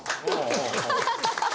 ハハハハ！